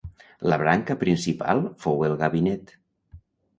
La Branca Principal fou el Gabinet.